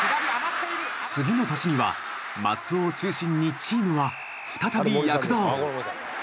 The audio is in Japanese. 次の年には松尾を中心にチームは再び躍動。